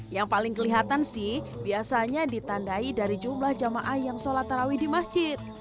yang paling kelihatan sih biasanya ditandai dari jumlah jamaah yang sholat tarawih di masjid